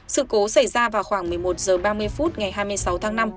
sự cố xảy ra vào khoảng một mươi một h ba mươi phút ngày hai mươi sáu tháng năm